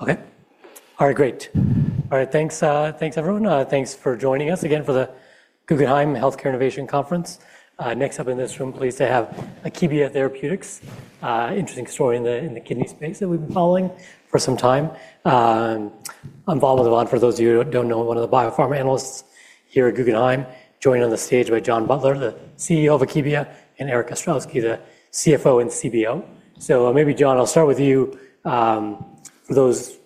Okay. All right, great. All right, thanks, thanks everyone. Thanks for joining us again for the Guggenheim Healthcare Innovation Conference. Next up in this room, pleased to have Akebia Therapeutics, an interesting story in the kidney space that we've been following for some time. I'm following them on for those of you who don't know, one of the biopharma analysts here at Guggenheim, joined on the stage by John Butler, the CEO of Akebia, and Erik Ostrowski, the CFO and CBO. Maybe, John, I'll start with you. For those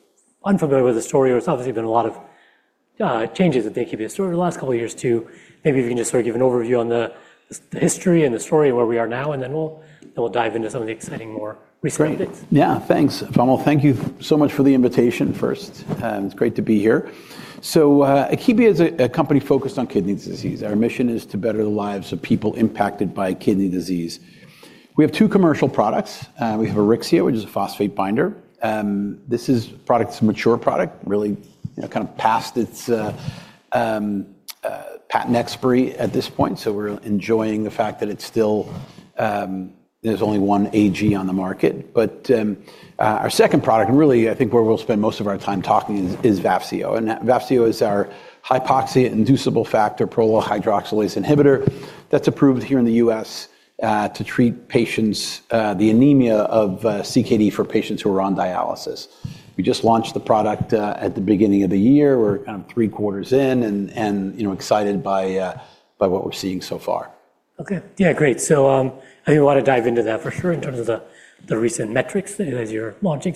unfamiliar with the story, there's obviously been a lot of changes at the Akebia story over the last couple of years too. Maybe you can just sort of give an overview on the history and the story and where we are now, and then we'll dive into some of the exciting more recent updates. Yeah, thanks, Tomas. Thank you so much for the invitation first. It's great to be here. Akebia is a company focused on kidney disease. Our mission is to better the lives of people impacted by kidney disease. We have two commercial products. We have Auryxia, which is a phosphate binder. This is a product that's a mature product, really kind of past its patent expiry at this point. We're enjoying the fact that it's still, there's only one AG on the market. Our second product, and really I think where we'll spend most of our time talking, is Vafseo. Vafseo is our hypoxia-inducible factor prolyl hydroxylase inhibitor that's approved here in the U.S. to treat patients, the anemia of CKD for patients who are on dialysis. We just launched the product at the beginning of the year. We're kind of three quarters in and excited by what we're seeing so far. Okay. Yeah, great. I think we want to dive into that for sure in terms of the recent metrics that you're launching.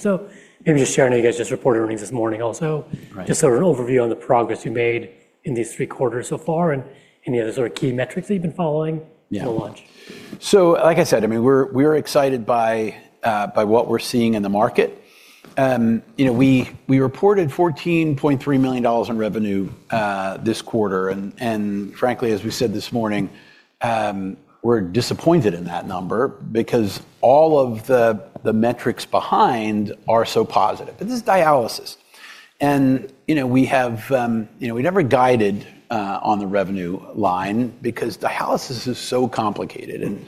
Maybe just sharing that you guys just reported earnings this morning also, just sort of an overview on the progress you made in these three quarters so far and any other sort of key metrics that you've been following since the launch. Like I said, I mean, we're excited by what we're seeing in the market. We reported $14.3 million in revenue this quarter. Frankly, as we said this morning, we're disappointed in that number because all of the metrics behind are so positive. This is dialysis. We never guided on the revenue line because dialysis is so complicated.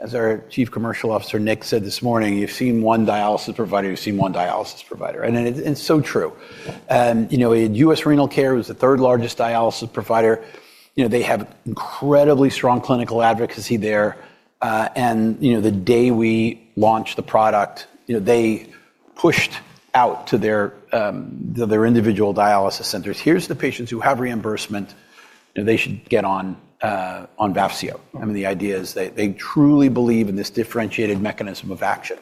As our Chief Commercial Officer, Nick, said this morning, you've seen one dialysis provider, you've seen one dialysis provider. It's so true. U.S. Renal Care was the third largest dialysis provider. They have incredibly strong clinical advocacy there. The day we launched the product, they pushed out to their individual dialysis centers, here's the patients who have reimbursement, they should get on Vafseo. I mean, the idea is they truly believe in this differentiated mechanism of action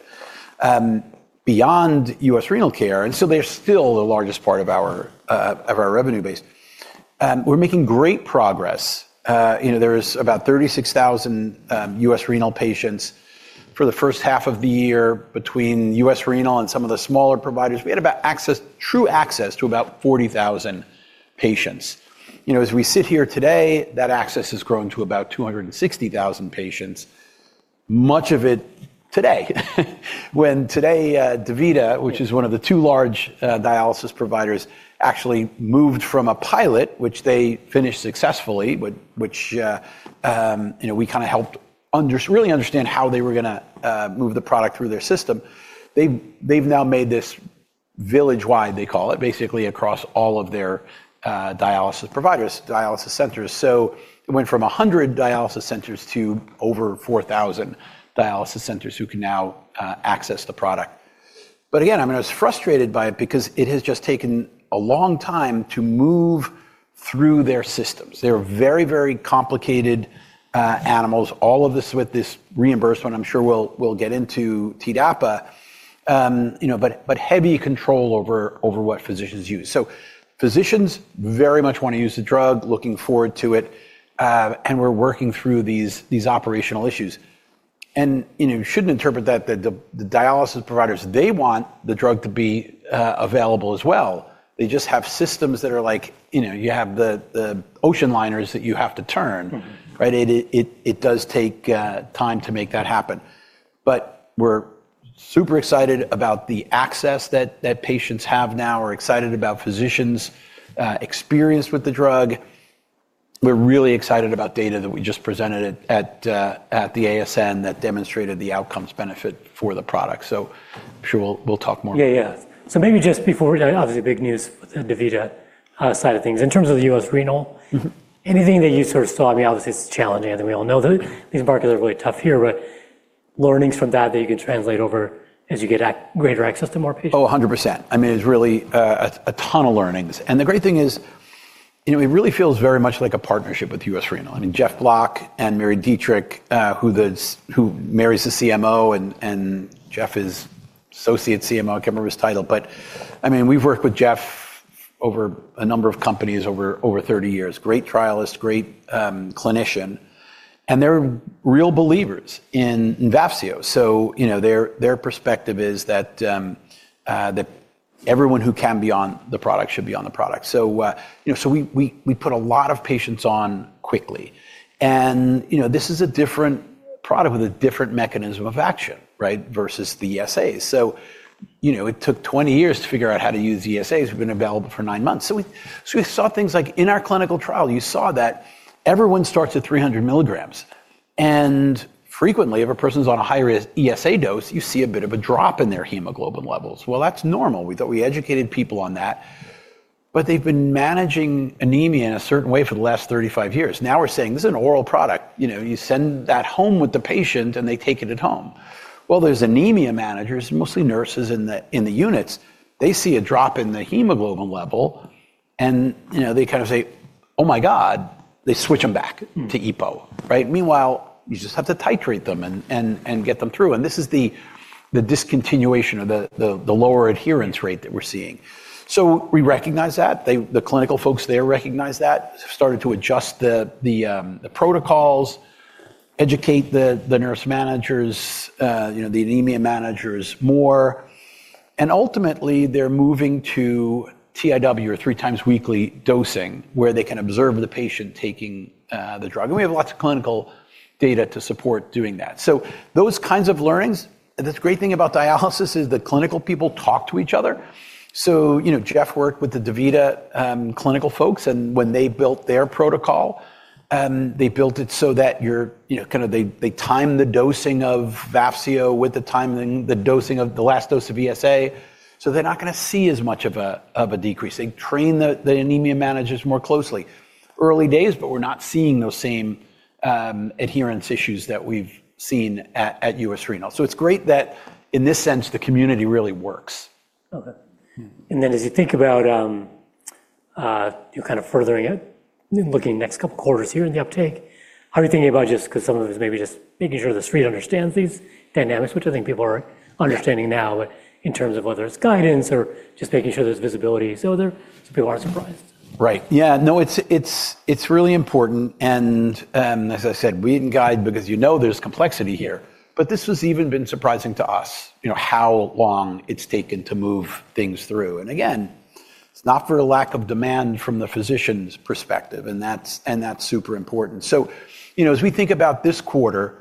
beyond U.S. Renal Care. They're still the largest part of our revenue base. We're making great progress. There's about 36,000 U.S. Renal patients for the first half of the year. Between U.S. Renal and some of the smaller providers, we had access, true access to about 40,000 patients. As we sit here today, that access has grown to about 260,000 patients, much of it today. When today, DaVita, which is one of the two large dialysis providers, actually moved from a pilot, which they finished successfully, which we kind of helped really understand how they were going to move the product through their system. They've now made this village wide, they call it, basically across all of their dialysis providers, dialysis centers. It went from 100 dialysis centers to over 4,000 dialysis centers who can now access the product. Again, I mean, I was frustrated by it because it has just taken a long time to move through their systems. They're very, very complicated animals. All of this with this reimbursement, I'm sure we'll get into TDAPA, but heavy control over what physicians use. Physicians very much want to use the drug, looking forward to it. We're working through these operational issues. You shouldn't interpret that the dialysis providers, they want the drug to be available as well. They just have systems that are like, you have the ocean liners that you have to turn. It does take time to make that happen. We're super excited about the access that patients have now, we're excited about physicians' experience with the drug. We're really excited about data that we just presented at the ASN that demonstrated the outcomes benefit for the product. I'm sure we'll talk more about that. Yeah, yeah. Maybe just before, obviously big news, DaVita side of things, in terms of the U.S. Renal, anything that you sort of saw, I mean, obviously it's challenging. I think we all know that these markets are really tough here, but learnings from that that you can translate over as you get greater access to more patients? Oh, 100%. I mean, it's really a ton of learnings. The great thing is it really feels very much like a partnership with U.S. Renal. I mean, Jeff Block and Mary Dietrich, who Mary's the CMO and Jeff is Associate CMO, I can't remember his title. I mean, we've worked with Jeff over a number of companies over 30 years, great trialist, great clinician. They're real believers in Vafseo. Their perspective is that everyone who can be on the product should be on the product. We put a lot of patients on quickly. This is a different product with a different mechanism of action versus the ESAs. It took 20 years to figure out how to use ESAs. We've been available for nine months. We saw things like in our clinical trial, you saw that everyone starts at 300 milligrams. Frequently, if a person's on a higher ESA dose, you see a bit of a drop in their hemoglobin levels. That is normal. We thought we educated people on that. They have been managing anemia in a certain way for the last 35 years. Now we are saying this is an oral product. You send that home with the patient and they take it at home. There are anemia managers, mostly nurses in the units. They see a drop in the hemoglobin level and they kind of say, "Oh my God," they switch them back to EPO. Meanwhile, you just have to titrate them and get them through. This is the discontinuation or the lower adherence rate that we are seeing. We recognize that. The clinical folks there recognize that, started to adjust the protocols, educate the nurse managers, the anemia managers more. Ultimately, they're moving to TIW or three times weekly dosing where they can observe the patient taking the drug. We have lots of clinical data to support doing that. Those kinds of learnings, the great thing about dialysis is the clinical people talk to each other. Jeff worked with the DaVita clinical folks. When they built their protocol, they built it so that they timed the dosing of Vafseo with the timing, the dosing of the last dose of ESA. They're not going to see as much of a decrease. They train the anemia managers more closely. Early days, but we're not seeing those same adherence issues that we've seen at U.S. Renal. It's great that in this sense, the community really works. As you think about kind of furthering it, looking next couple of quarters here in the uptake, how are you thinking about just because some of it is maybe just making sure the street understands these dynamics, which I think people are understanding now, but in terms of whether it's guidance or just making sure there's visibility. So people aren't surprised. Right. Yeah. No, it's really important. As I said, we didn't guide because you know there's complexity here. This has even been surprising to us how long it's taken to move things through. Again, it's not for a lack of demand from the physician's perspective. That's super important. As we think about this quarter,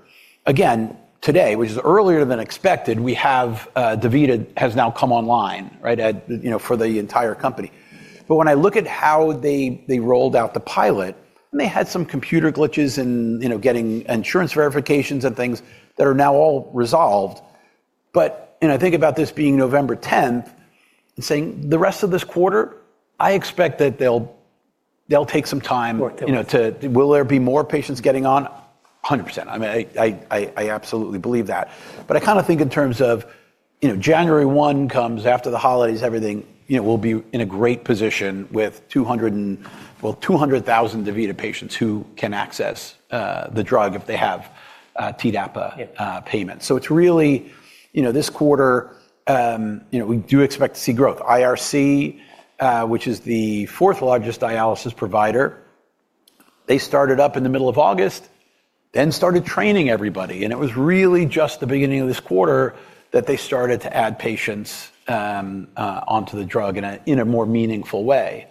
again, today, which is earlier than expected, we have DaVita has now come online for the entire company. When I look at how they rolled out the pilot, they had some computer glitches in getting insurance verifications and things that are now all resolved. I think about this being November 10th and saying the rest of this quarter, I expect that they'll take some time. Will there be more patients getting on? 100%. I mean, I absolutely believe that. I kind of think in terms of January 1 comes after the holidays, everything will be in a great position with 200,000 DaVita patients who can access the drug if they have TDAPA payment. It is really this quarter, we do expect to see growth. IRC, which is the fourth largest dialysis provider, they started up in the middle of August, then started training everybody. It was really just the beginning of this quarter that they started to add patients onto the drug in a more meaningful way.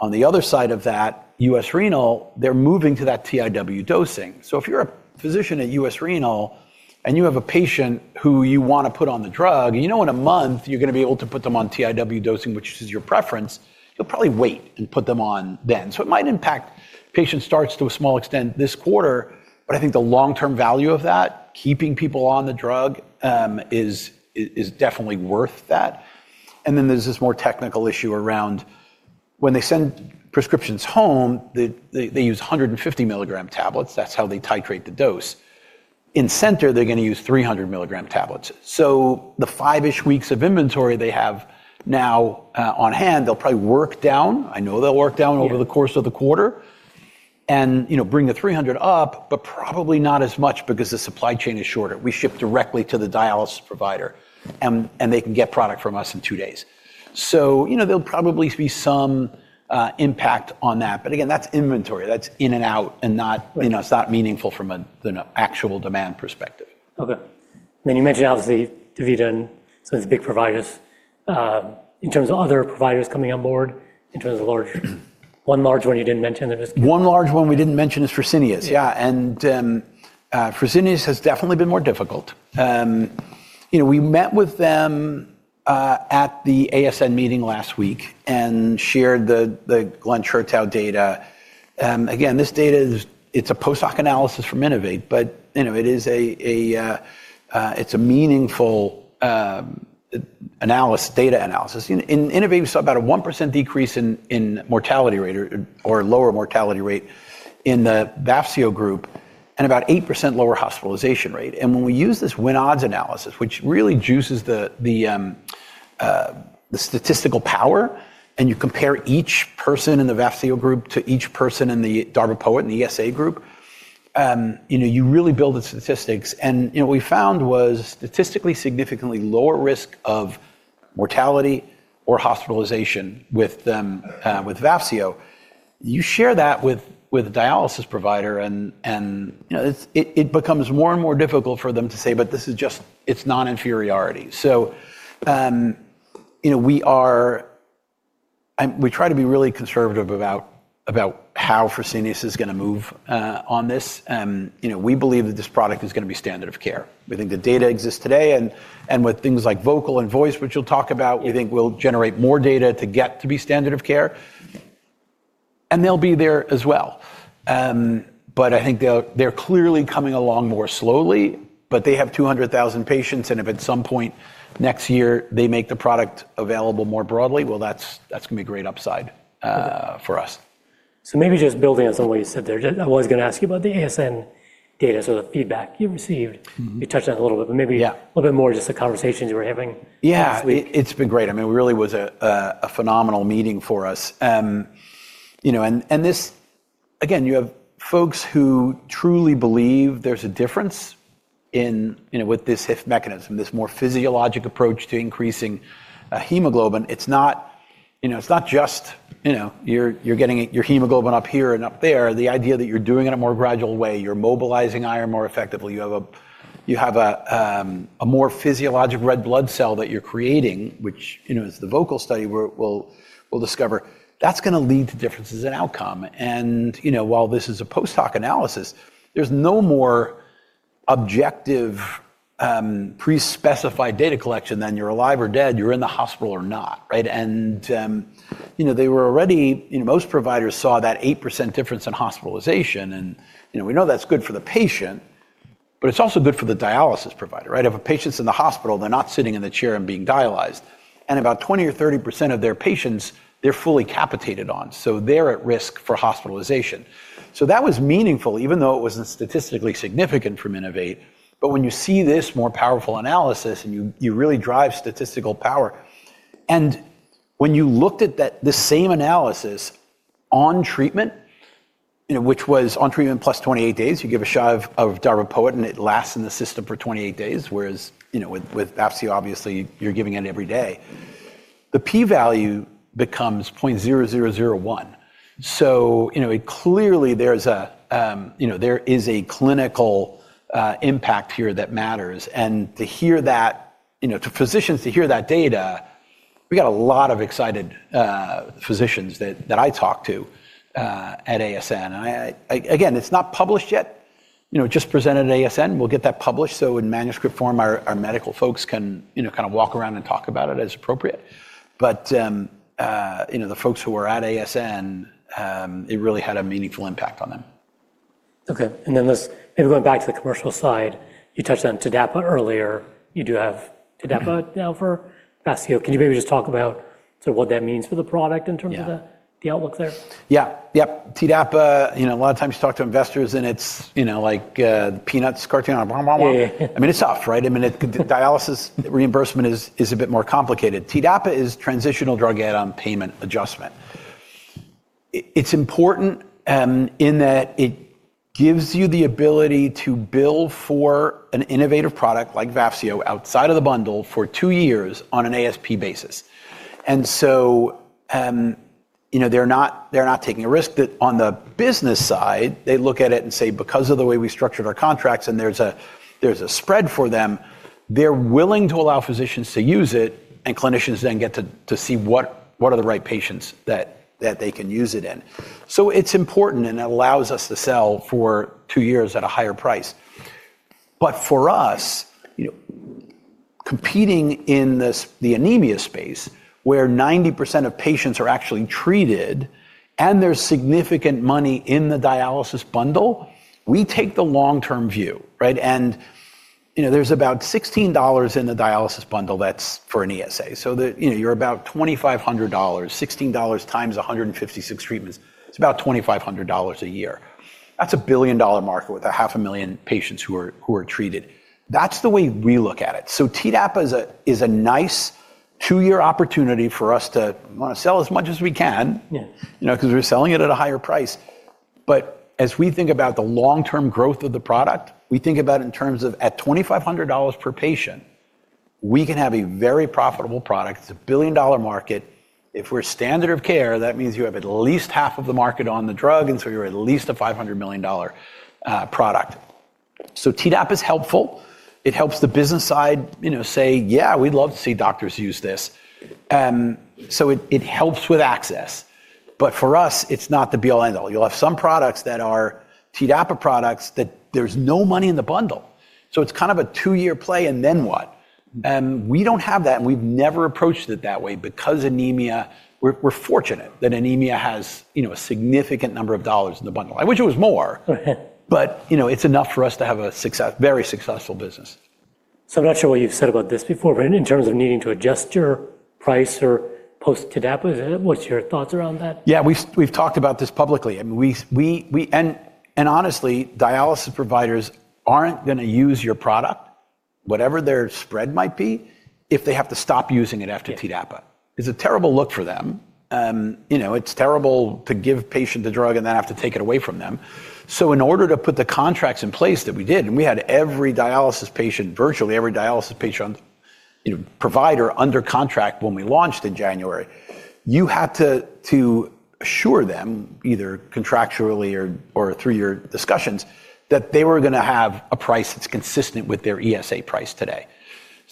On the other side of that, U.S. Renal, they are moving to that TIW dosing. If you're a physician at US Renal and you have a patient who you want to put on the drug, you know in a month you're going to be able to put them on TIW dosing, which is your preference, you'll probably wait and put them on then. It might impact patient starts to a small extent this quarter, but I think the long-term value of that, keeping people on the drug, is definitely worth that. There is this more technical issue around when they send prescriptions home, they use 150 milligram tablets. That's how they titrate the dose. In center, they're going to use 300 milligram tablets. The five-ish weeks of inventory they have now on hand, they'll probably work down. I know they'll work down over the course of the quarter and bring the 300 up, but probably not as much because the supply chain is shorter. We ship directly to the dialysis provider and they can get product from us in two days. There'll probably be some impact on that. Again, that's inventory. That's in and out and it's not meaningful from an actual demand perspective. Okay. You mentioned obviously DaVita and some of the big providers. In terms of other providers coming on board, in terms of one large one you did not mention, that was. One large one we didn't mention is Fresenius. Yeah. And Fresenius has definitely been more difficult. We met with them at the ASN meeting last week and shared the Glenn Churchow data. Again, this data, it's a post hoc analysis from INNOVATE, but it's a meaningful data analysis. In INNOVATE, we saw about a 1% decrease in mortality rate or lower mortality rate in the Vafseo group and about 8% lower hospitalization rate. When we use this win odds analysis, which really juices the statistical power and you compare each person in the Vafseo group to each person in the Darbepoetin and the ESA group, you really build the statistics. What we found was statistically significantly lower risk of mortality or hospitalization with Vafseo. You share that with the dialysis provider and it becomes more and more difficult for them to say, but this is just, it's non-inferiority. We try to be really conservative about how Fresenius is going to move on this. We believe that this product is going to be standard of care. We think the data exists today and with things like VOICE, which we'll talk about, we think we'll generate more data to get to be standard of care. They'll be there as well. I think they're clearly coming along more slowly, but they have 200,000 patients. If at some point next year they make the product available more broadly, that's going to be a great upside for us. Maybe just building on some of what you said there, I was going to ask you about the ASN data, so the feedback you received. You touched on it a little bit, but maybe a little bit more just the conversations you were having last week. Yeah, it's been great. I mean, it really was a phenomenal meeting for us. This, again, you have folks who truly believe there's a difference with this HIF mechanism, this more physiologic approach to increasing hemoglobin. It's not just you're getting your hemoglobin up here and up there. The idea that you're doing it in a more gradual way, you're mobilizing iron more effectively. You have a more physiologic red blood cell that you're creating, which is the VOICE study we'll discover. That's going to lead to differences in outcome. While this is a post hoc analysis, there's no more objective pre-specified data collection than you're alive or dead, you're in the hospital or not. They were already, most providers saw that 8% difference in hospitalization. We know that's good for the patient, but it's also good for the dialysis provider. If a patient's in the hospital, they're not sitting in the chair and being dialyzed. And about 20% or 30% of their patients, they're fully capitated on. So they're at risk for hospitalization. That was meaningful, even though it wasn't statistically significant from INNOVATE. When you see this more powerful analysis and you really drive statistical power. When you looked at the same analysis on treatment, which was on treatment plus 28 days, you give a shot of Darbepoetin and it lasts in the system for 28 days, whereas with Vafseo, obviously you're giving it every day. The p-value becomes 0.0001. Clearly there is a clinical impact here that matters. To hear that, to physicians to hear that data, we got a lot of excited physicians that I talked to at ASN. Again, it's not published yet. Just presented at ASN. We'll get that published. In manuscript form, our medical folks can kind of walk around and talk about it as appropriate. The folks who were at ASN, it really had a meaningful impact on them. Okay. And then maybe going back to the commercial side, you touched on TDAPA earlier. You do have TDAPA now for Vafseo. Can you maybe just talk about what that means for the product in terms of the outlook there? Yeah. Yep. TDAPA, a lot of times you talk to investors and it's like Peanuts cartoon on a bar. I mean, it's tough, right? I mean, dialysis reimbursement is a bit more complicated. TDAPA is Transitional Drug Add-on Payment Adjustment. It's important in that it gives you the ability to bill for an innovative product like Vafseo outside of the bundle for two years on an ASP basis. They're not taking a risk that on the business side, they look at it and say, because of the way we structured our contracts and there's a spread for them, they're willing to allow physicians to use it and clinicians then get to see what are the right patients that they can use it in. It's important and it allows us to sell for two years at a higher price. For us, competing in the anemia space where 90% of patients are actually treated and there's significant money in the dialysis bundle, we take the long-term view. There's about $16 in the dialysis bundle that's for an ESA. You're about $2,500, $16 times 156 treatments. It's about $2,500 a year. That's a billion-dollar market with 500,000 patients who are treated. That's the way we look at it. Tdapa is a nice two-year opportunity for us to want to sell as much as we can because we're selling it at a higher price. As we think about the long-term growth of the product, we think about it in terms of at $2,500 per patient, we can have a very profitable product. It's a billion-dollar market. If we're standard of care, that means you have at least half of the market on the drug. You're at least a $500 million product. TDAPA is helpful. It helps the business side say, yeah, we'd love to see doctors use this. It helps with access. For us, it's not the be-all, end-all. You'll have some products that are TDAPA products that there's no money in the bundle. It's kind of a two-year play and then what? We don't have that. We've never approached it that way because anemia, we're fortunate that anemia has a significant number of dollars in the bundle. I wish it was more, but it's enough for us to have a very successful business. I'm not sure what you've said about this before, but in terms of needing to adjust your price or post TDAPA, what's your thoughts around that? Yeah, we've talked about this publicly. Honestly, dialysis providers aren't going to use your product, whatever their spread might be, if they have to stop using it after TDAPA. It's a terrible look for them. It's terrible to give patients a drug and then have to take it away from them. In order to put the contracts in place that we did, and we had virtually every dialysis provider under contract when we launched in January, you had to assure them either contractually or through your discussions that they were going to have a price that's consistent with their ESA price today.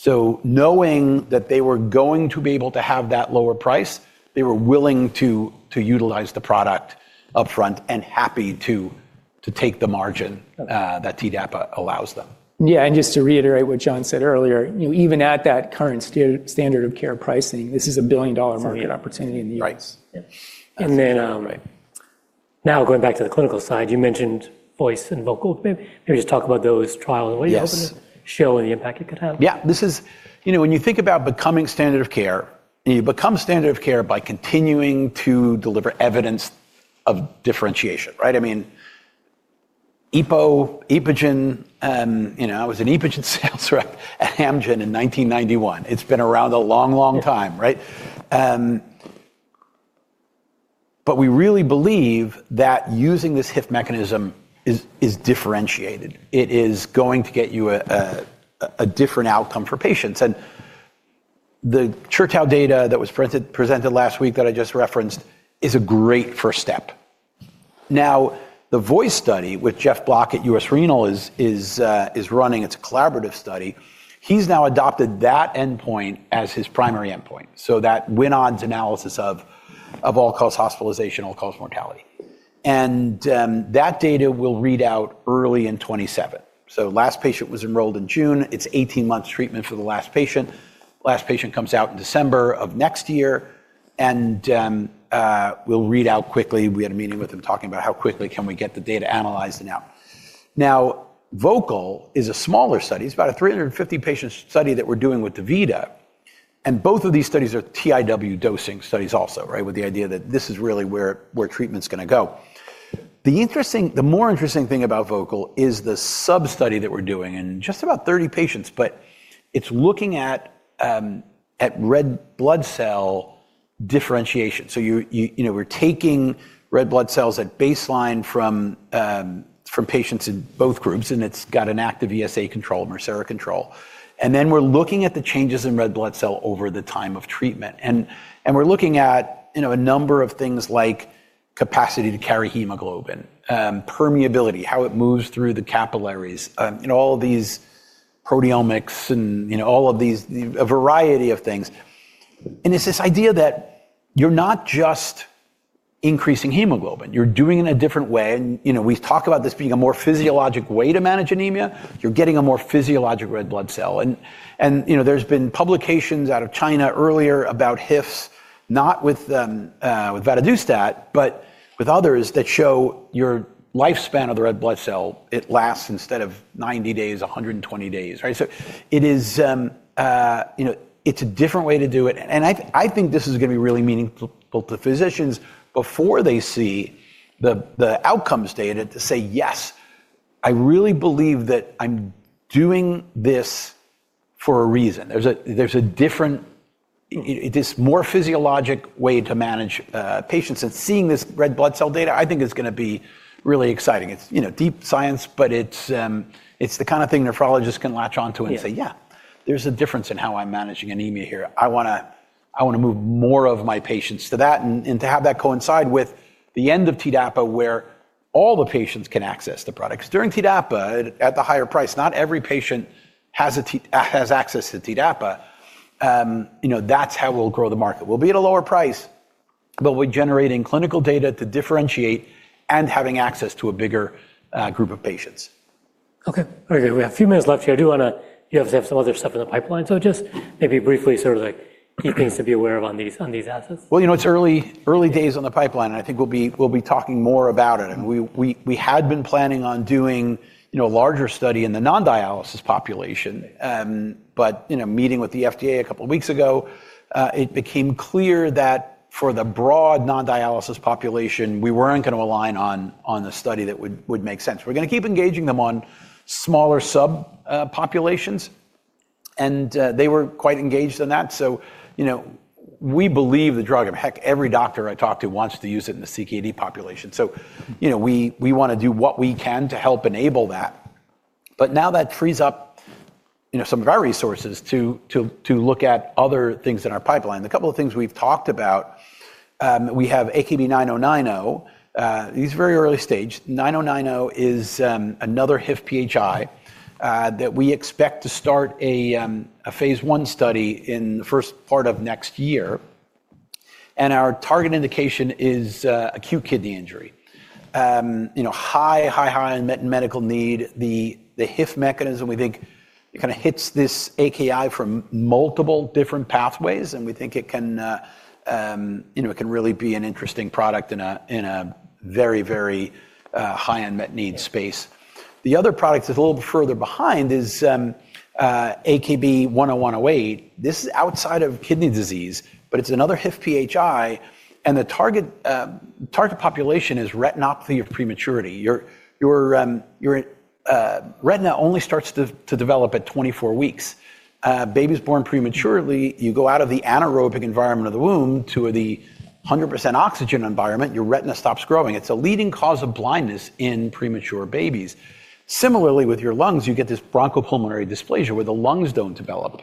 Knowing that they were going to be able to have that lower price, they were willing to utilize the product upfront and happy to take the margin that TDAPA allows them. Yeah. Just to reiterate what John said earlier, even at that current standard of care pricing, this is a billion-dollar market opportunity in the U.S. Right. Now going back to the clinical side, you mentioned VOICE and VOCAL. Maybe just talk about those trials and what you hope to show and the impact it could have. Yeah. When you think about becoming standard of care, you become standard of care by continuing to deliver evidence of differentiation, right? I mean, EPO, EPOGEN, I was an EPOGEN sales rep at Amgen in 1991. It's been around a long, long time, right? I really believe that using this HIF mechanism is differentiated. It is going to get you a different outcome for patients. And the Churchow data that was presented last week that I just referenced is a great first step. Now, the VOICE study with Jeff Block at U.S. Renal Care is running. It's a collaborative study. He's now adopted that endpoint as his primary endpoint. That win odds analysis of all-cause hospitalization, all-cause mortality. That data will read out early in 2027. Last patient was enrolled in June. It's 18 months treatment for the last patient. Last patient comes out in December of next year and will read out quickly. We had a meeting with him talking about how quickly can we get the data analyzed and out. Now, VOICE is a smaller study. It's about a 350-patient study that we're doing with DaVita. Both of these studies are TIW dosing studies also, right? The idea is that this is really where treatment's going to go. The more interesting thing about VOICE is the sub-study that we're doing in just about 30 patients, but it's looking at red blood cell differentiation. We're taking red blood cells at baseline from patients in both groups and it's got an active ESA control, Darbepoetin control. We're looking at the changes in red blood cell over the time of treatment. We're looking at a number of things like capacity to carry hemoglobin, permeability, how it moves through the capillaries, all of these proteomics and all of these, a variety of things. It's this idea that you're not just increasing hemoglobin. You're doing it in a different way. We talk about this being a more physiologic way to manage anemia. You're getting a more physiologic red blood cell. There have been publications out of China earlier about HIFs, not with Vafseo, but with others that show your lifespan of the red blood cell, it lasts instead of 90 days, 120 days, right? It's a different way to do it. I think this is going to be really meaningful to physicians before they see the outcomes data to say, yes, I really believe that I'm doing this for a reason. There's a different, it is more physiologic way to manage patients. And seeing this red blood cell data, I think it's going to be really exciting. It's deep science, but it's the kind of thing nephrologists can latch onto and say, yeah, there's a difference in how I'm managing anemia here. I want to move more of my patients to that and to have that coincide with the end of TDAPA where all the patients can access the product. Because during TDAPA at the higher price, not every patient has access to TDAPA. That's how we'll grow the market. We'll be at a lower price, but we're generating clinical data to differentiate and having access to a bigger group of patients. Okay. We have a few minutes left here. I do want to, you have some other stuff in the pipeline. So just maybe briefly sort of key things to be aware of on these assets. It is early days on the pipeline and I think we'll be talking more about it. We had been planning on doing a larger study in the non-dialysis population. Meeting with the FDA a couple of weeks ago, it became clear that for the broad non-dialysis population, we were not going to align on the study that would make sense. We are going to keep engaging them on smaller sub-populations. They were quite engaged in that. We believe the drug, I mean, heck, every doctor I talk to wants to use it in the CKD population. We want to do what we can to help enable that. Now that frees up some of our resources to look at other things in our pipeline. A couple of things we've talked about, we have AKB-9090. These are very early stage. 9090 is another HIF-PHI that we expect to start a phase one study in the first part of next year. Our target indication is acute kidney injury. High, high, high unmet medical need. The HIF mechanism, we think it kind of hits this AKI from multiple different pathways. We think it can really be an interesting product in a very, very high unmet need space. The other product that is a little further behind is AKB-10108. This is outside of kidney disease, but it's another HIF-PHI. The target population is retinopathy of prematurity. Your retina only starts to develop at 24 weeks. Babies born prematurely, you go out of the anaerobic environment of the womb to the 100% oxygen environment, your retina stops growing. It's a leading cause of blindness in premature babies. Similarly, with your lungs, you get this bronchopulmonary dysplasia where the lungs do not develop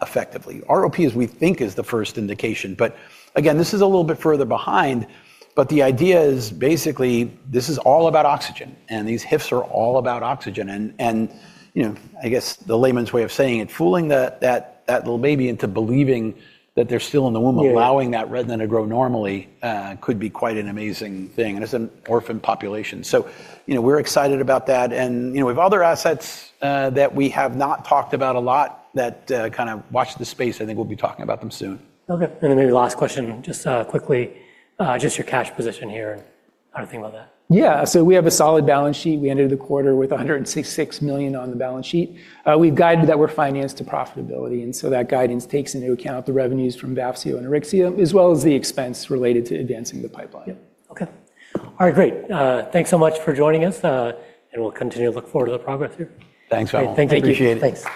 effectively. ROP is, we think, is the first indication. This is a little bit further behind. The idea is basically this is all about oxygen. These HIFs are all about oxygen. I guess the layman's way of saying it, fooling that little baby into believing that they are still in the womb, allowing that retina to grow normally could be quite an amazing thing. It is an orphan population. We are excited about that. We have other assets that we have not talked about a lot that kind of watch the space. I think we will be talking about them soon. Okay. Maybe last question, just quickly, just your cash position here and how to think about that. Yeah. So we have a solid balance sheet. We ended the quarter with $166 million on the balance sheet. We've guided that we're financed to profitability. And that guidance takes into account the revenues from Vafseo and Auryxia, as well as the expense related to advancing the pipeline. Yep. Okay. All right. Great. Thanks so much for joining us. We will continue to look forward to the progress here. Thanks, John. Thank you. Appreciate it.